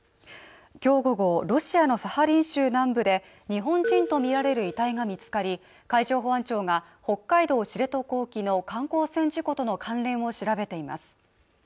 きょう午後ロシアのサハリン州南部で日本人と見られる遺体が見つかり海上保安庁が北海道知床沖の観光船事故との関連を調べています